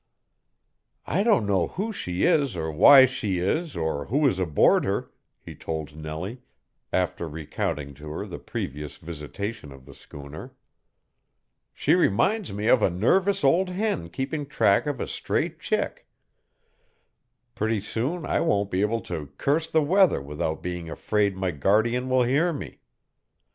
"I don't know who she is or why she is or who is aboard her," he told Nellie, after recounting to her the previous visitation of the schooner. "She reminds me of a nervous old hen keeping track of a stray chick. Pretty soon I won't be able to curse the weather without being afraid my guardian will hear me.